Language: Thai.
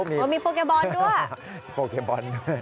มีโปเกบอลด้วย